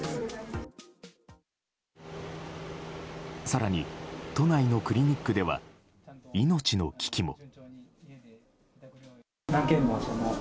更に、都内のクリニックでは命の危機も。